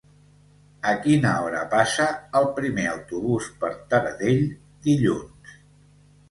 A quina hora passa el primer autobús per Taradell dilluns?